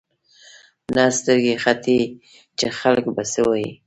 ته سترګې ختې چې خلک به څه وايي.